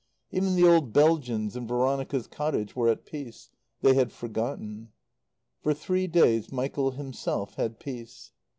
Even the old Belgians in Veronica's cottage were at peace. They had forgotten. For three days Michael himself had peace.